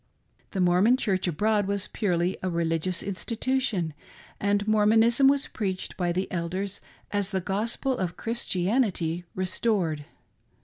The Mormon Church abroad was purely a religious institution, and Mormonism was preached by the elders as the gospel of Christianity restored.